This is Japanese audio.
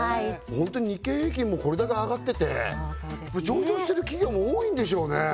ホントに日経平均もこれだけ上がってて上場してる企業も多いんでしょうね